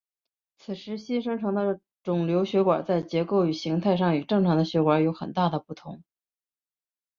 此时新生成的肿瘤血管在结构与形态上与正常的血管有很大的不同。